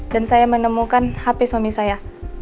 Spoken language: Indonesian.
dan saya menemukan hp suami saya